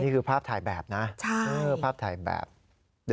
นี่คือภาพถ่ายแบบนะภาพถ่ายแบบ